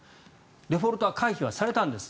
デフォルトは回避はされたんです。